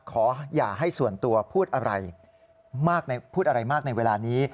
ขออย่าให้ส่วนตัวพูดอะไรมากในเวลานี้